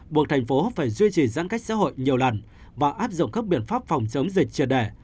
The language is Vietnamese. buộc thành phố phải duy trì giãn cách xã hội nhiều lần và áp dụng các biện pháp phòng chống dịch chia đẻ